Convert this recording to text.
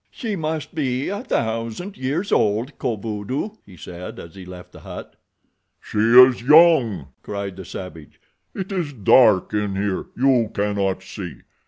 "She must be a thousand years old, Kovudoo," he said, as he left the hut. "She is young," cried the savage. "It is dark in here. You cannot see.